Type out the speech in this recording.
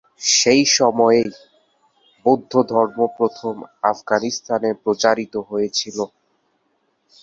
সেই সময়েই বৌদ্ধধর্ম প্রথম আফগানিস্তানে প্রচারিত হয়েছিল।